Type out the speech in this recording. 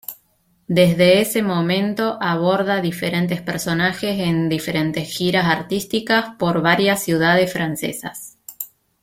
Desde ese momento, aborda diferentes personajes en diferentes giras artísticas por varias ciudades francesas.